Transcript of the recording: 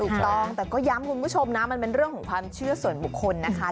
ถูกต้องแต่ก็ย้ำคุณผู้ชมนะมันเป็นเรื่องของความเชื่อส่วนบุคคลนะคะ